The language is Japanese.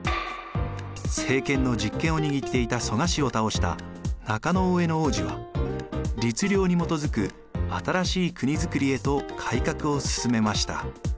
政権の実権を握っていた蘇我氏を倒した中大兄皇子は律令にもとづく新しい国づくりへと改革をすすめました。